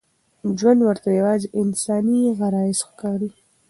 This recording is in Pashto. ژوند ورته یوازې انساني غرايز ښکاري.